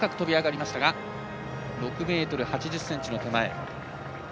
６ｍ８０ｃｍの手前。